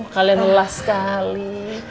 kalian lelah sekali